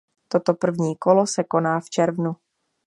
Toto první kolo se koná v červnu.